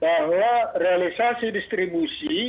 bahwa realisasi distribusi